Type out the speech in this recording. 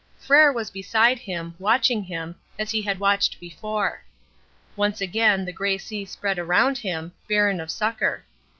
Frere was beside him, watching him, as he had watched before. Once again the grey sea spread around him, barren of succour.